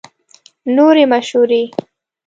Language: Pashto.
نورې مشورې